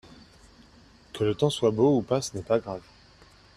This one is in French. Que le temps soit beau ou pas ce n'est pas grave.